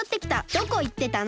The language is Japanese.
どこいってたの！？